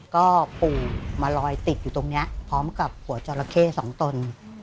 ก็ปู่มาลอยติดอยู่ตรงนี้พร้อมกับหัวจราเข้สองตน